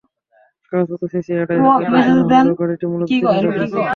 কাগজপত্রে CC আড়াই হাজার দেখানো হলেও গাড়িটি মূলত তিন হাজার সিসির।